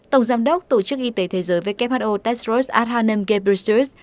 tổng giám đốc tổ chức y tế thế giới who tedros adhanom ghebreyesus